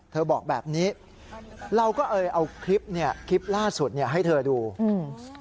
บอกแบบนี้เราก็เลยเอาคลิปเนี้ยคลิปล่าสุดเนี่ยให้เธอดูอืม